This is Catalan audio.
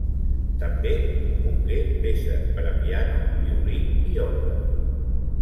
També compongué peces per a piano, violí i orgue.